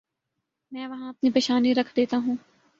میں وہاں اپنی پیشانی رکھ دیتا ہوں۔